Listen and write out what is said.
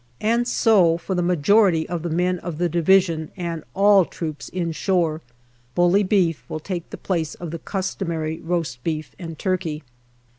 And so, for the majority of the men of the Division and all troops inshore, bully beef will take the place of the customary roast beef and turkey.